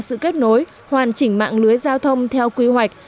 sự kết nối hoàn chỉnh mạng lưới giao thông theo quy hoạch